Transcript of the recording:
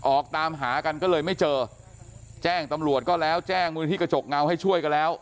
ออกตามหากันก็เลยไม่เจอแจ้งตำรวจก็แล้วแจ้งมือที่กระจกเงาให้ช่วยกันแล้ว